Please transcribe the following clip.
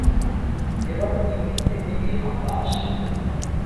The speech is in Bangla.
এবারও তিন দিক থেকে এ হামলা আসে।